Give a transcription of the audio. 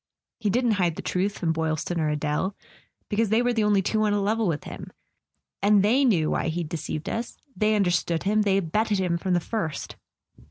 He didn't hide the truth from Boylston or Adele, because they were the only two on a level with him. And they knew why he'd de¬ ceived us; they understood him, they abetted him from the first."